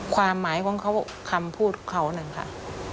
ความหมายของเขาคำพูดเขานั่นค่ะ